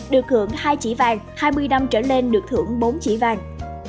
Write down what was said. được thưởng hai chỉ vàng hai mươi năm trở lên được thưởng bốn chỉ vàng